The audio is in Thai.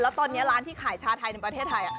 แล้วตอนนี้ร้านที่ขายชาไทยในประเทศไทย